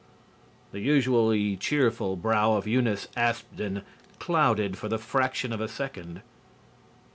The usually cheerful brow of Eunice Aspdin clouded for the fraction of a second.